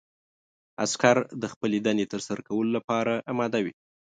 عسکر د خپلې دندې ترسره کولو لپاره اماده وي.